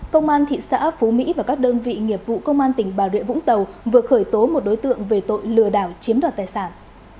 công an thị xã phú mỹ và các đơn vị nghiệp vụ công an tỉnh bà rịa vũng tàu vừa khởi tố một đối tượng về tội lừa đảo chiếm đoạt tài sản